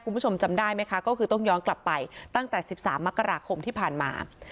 คุณผู้ชมจำได้ไหมคะก็คือต้องย้อนกลับไปตั้งแต่๑๓มกราคมที่ผ่านมา